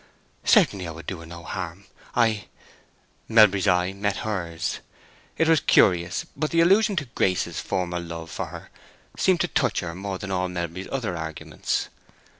"Certainly I would do her no harm—I—" Melbury's eye met hers. It was curious, but the allusion to Grace's former love for her seemed to touch her more than all Melbury's other arguments.